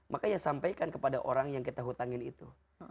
maka ya sampaikan kepada orang yang kita hutangin itu